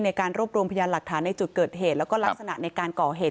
ในการรวบรวมพยานหลักฐานในจุดเกิดเหตุแล้วก็ลักษณะในการก่อเหตุ